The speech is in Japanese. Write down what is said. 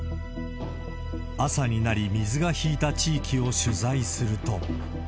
朝になり、水が引いた地域を取材すると。